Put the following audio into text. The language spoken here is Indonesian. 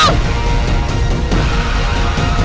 apa ya dieses t our